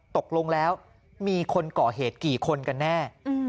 ตกลงแล้วมีคนก่อเหตุกี่คนกันแน่